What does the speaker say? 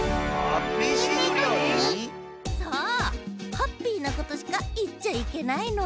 ハッピーなことしかいっちゃいけないの。